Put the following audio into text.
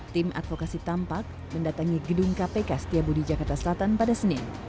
tim advokasi tampak mendatangi gedung kpk setiabudi jakarta selatan pada senin